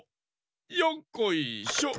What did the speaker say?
よっこいしょ。